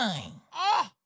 あっ！